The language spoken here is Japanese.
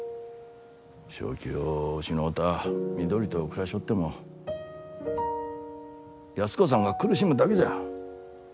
正気を失うた美都里と暮らしょおっても安子さんが苦しむだけじゃ。